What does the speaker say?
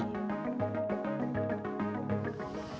yang jelas murah tenaga